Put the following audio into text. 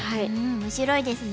面白いですね。